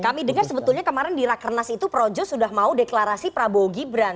kami dengar sebetulnya kemarin di rakernas itu projo sudah mau deklarasi prabowo gibran